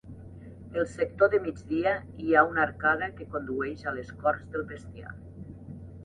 El sector de migdia hi ha una arcada que condueix a les corts del bestiar.